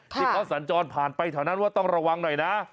ที่เขาสัญจรผ่านไปแถวนั้นว่าต้องระวังหน่อยนะ